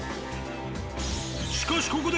［しかしここで］